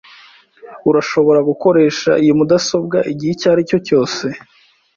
Urashobora gukoresha iyi mudasobwa igihe icyo aricyo cyose.